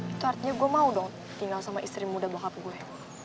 itu artinya gua mau dong tinggal sama istri muda bokap gua